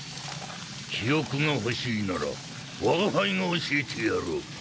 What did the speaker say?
記憶が欲しいなら我が輩が教えてやろう。